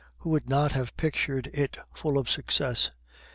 who would not have pictured it full of success?